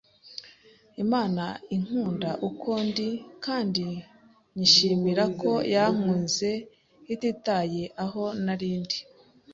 Imana inkunda uko ndi, kandi nyishimira ko yankunze ititaye aho nari ndi.